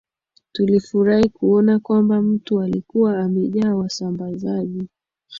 Tulifurahi kuona kwamba mtu alikuwa amejaa wasambazaji